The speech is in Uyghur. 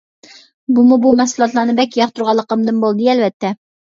بۇمۇ بۇ مەھسۇلاتلارنى بەك ياقتۇرغانلىقىمدىن بولدى ئەلۋەتتە.